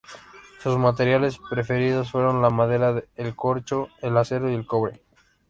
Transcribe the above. Sus materiales preferidos fueron la madera, el corcho, el acero y el cobre.